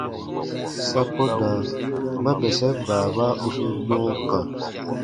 Sa ko na ma bɛsɛn baaba u sun nɔɔ kã.